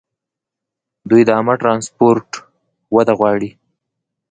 دوی د عامه ټرانسپورټ وده غواړي.